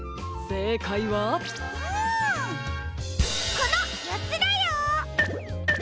このよっつだよ！